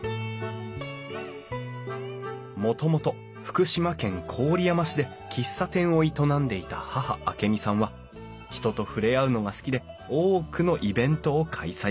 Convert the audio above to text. もともと福島県郡山市で喫茶店を営んでいた母明美さんは人と触れ合うのが好きで多くのイベントを開催！